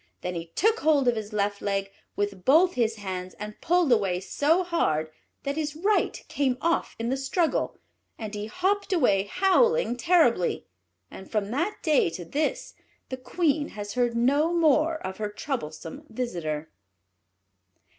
Then he took hold of his left leg with both his hands, and pulled away so hard that his right came off in the struggle, and he hopped away howling terribly. And from that day to this the Queen has heard no more of her troublesome visitor.